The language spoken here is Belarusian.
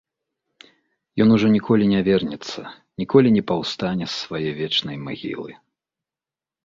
Ён ужо ніколі не вернецца, ніколі не паўстане з свае вечнай магілы.